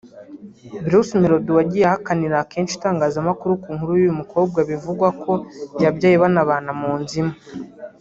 Bruce Melody wagiye ahakanira kenshi itangazamakuru ku nkuru y’uyu mukobwa bivugwa ko yabyaye banabana mu nzu imwe